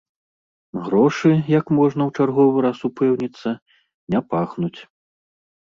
Грошы, як можна ў чарговы раз упэўніцца, не пахнуць.